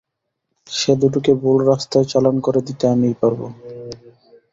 সে দুটোকে ভুল রাস্তায় চালান করে দিতে আমিই পারব।